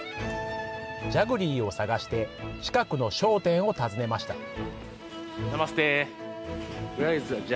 ジャグリーを探して近くの商店を訪ねました。